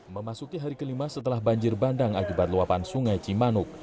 memasuki hari kelima setelah banjir bandang akibat luapan sungai cimanuk